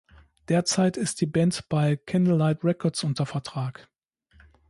Derzeit ist die Band bei Candlelight Records unter Vertrag.